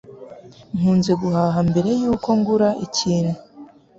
Nkunze guhaha mbere yuko ngura ikintu.